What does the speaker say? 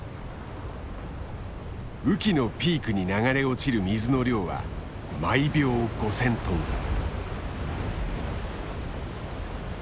雨季のピークに流れ落ちる水の量は毎秒５，０００トン。